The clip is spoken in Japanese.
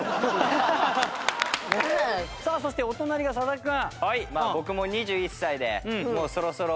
さあそしてお隣が佐々木君。